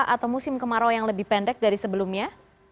atau musim kemarau yang lebih pendek dari sebelumnya